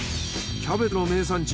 キャベツの名産地